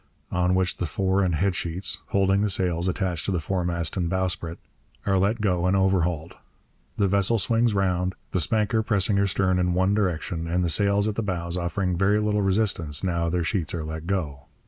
on which the fore and head sheets (holding the sails attached to the foremast and bowsprit) are let go and overhauled. The vessel swings round, the spanker pressing her stern in one direction and the sails at the bows offering very little resistance now their sheets are let go.